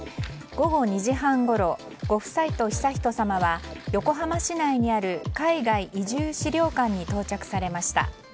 午後２時半ごろご夫妻と悠仁さまは横浜市内にある海外移住資料館に到着されました。